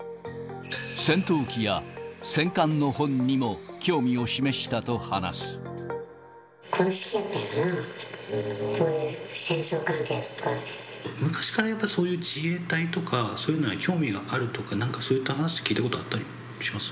戦闘機や戦艦の本にも興味をこれ好きやったんやろうな、昔からやっぱりそういう自衛隊とか、そういうのは興味はあるとか、なんか、そういったことは聞いたことあったりします？